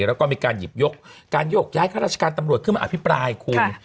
แล้วก็มีการหยิบยกการโยกย้ายข้าราชการตำรวจขึ้นมาอภิปรายคุณ